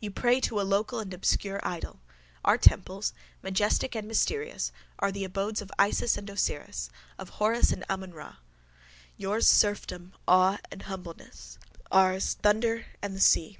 _—You pray to a local and obscure idol: our temples, majestic and mysterious, are the abodes of Isis and Osiris, of Horus and Ammon Ra. Yours serfdom, awe and humbleness: ours thunder and the seas.